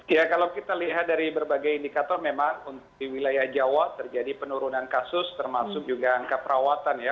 ya kalau kita lihat dari berbagai indikator memang untuk di wilayah jawa terjadi penurunan kasus termasuk juga angka perawatan ya